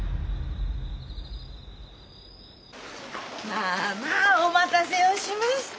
まあまあお待たせをしました。